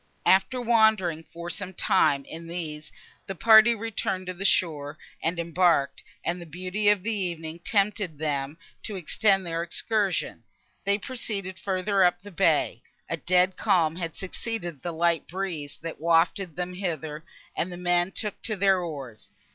After wandering, for some time, in these, the party returned to the shore and embarked; and, the beauty of the evening tempting them to extend their excursion, they proceeded further up the bay. A dead calm had succeeded the light breeze, that wafted them hither, and the men took to their oars.